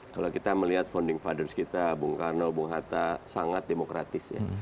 kalau kita melihat founding fathers kita bung karno bung hatta sangat demokratis ya